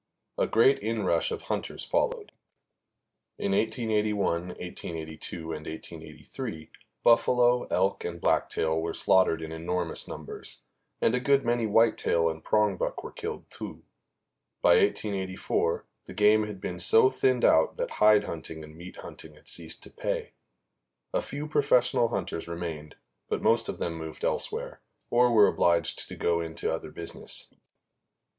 A great inrush of hunters followed. In 1881, 1882 and 1883 buffalo, elk and blacktail were slaughtered in enormous numbers, and a good many whitetail and prongbuck were killed too. By 1884 the game had been so thinned out that hide hunting and meat hunting had ceased to pay. A few professional hunters remained, but most of them moved elsewhere, or were obliged to go into other business.